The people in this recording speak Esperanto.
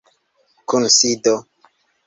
kunsido